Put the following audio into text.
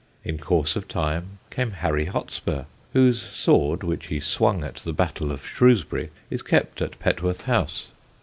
In course of time came Harry Hotspur, whose sword, which he swung at the Battle of Shrewsbury, is kept at Petworth House.